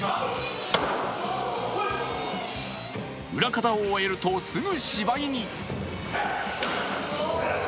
裏方を終えると、すぐ芝居に。